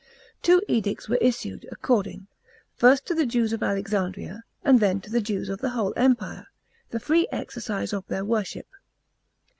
Two edicts were issued, according, first to the Jews of Alexandria, and then to the Jews of the whole Empire, ti e free exercise of their worship.